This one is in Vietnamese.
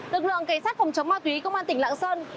lực lượng cảnh sát phòng chống ma túy công an tỉnh lạng sơn